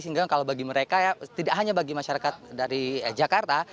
sehingga kalau bagi mereka ya tidak hanya bagi masyarakat dari jakarta